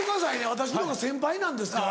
私のほうが先輩なんですから。